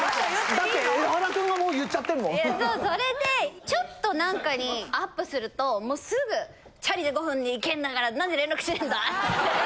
それでちょっと何かにアップするともうすぐ「チャリで５分で行けんだから何で連絡しねぇんだ」つって。